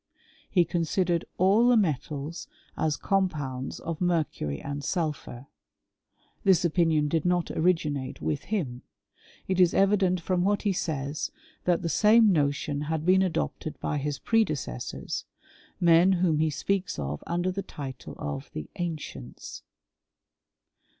Reconsidered all the metals as compounds of mercury and sulphur: this opinion did not originate with him. It is evident from what he says, that the same notion had been adopted by his predecessors — men whom he speaks of under the title of the ancients.